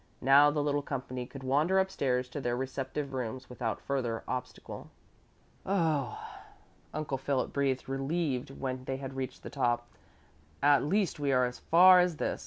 Now the little company could wander upstairs to their respective rooms without further obstacle. "Oh," Uncle Philip breathed relieved when they had reached the top. "At least we are as far as this.